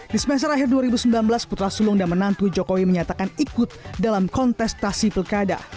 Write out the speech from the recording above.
di semester akhir dua ribu sembilan belas putra sulung dan menantu jokowi menyatakan ikut dalam kontestasi pilkada